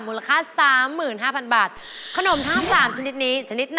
มูลค่า๓๕๐๐๐บาท